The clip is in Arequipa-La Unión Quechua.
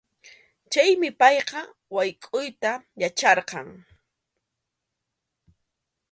Chaymi payqa waykʼuyta yacharqan.